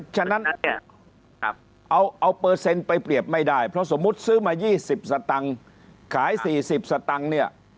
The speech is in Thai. ฉะนั้นเนี่ยเอาเปอร์เซ็นต์ไปเปรียบไม่ได้เพราะสมมุติซื้อมา๒๐สตังค์ขาย๔๐สตังค์เนี่ย